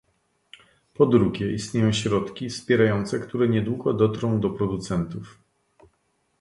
Po drugie istnieją środki wspierające, które niedługo dotrą do producentów